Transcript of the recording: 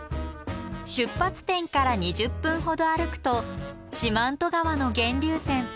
出発点から２０分ほど歩くと四万十川の源流点。